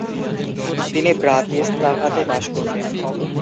তিনি ব্রাতিসলাভাতে বাস করতেন।